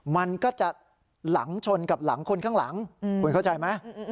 มันก็จะหลังชนกับหลังคนข้างหลังคุณเข้าใจไหม